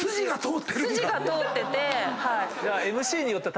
筋が通ってて。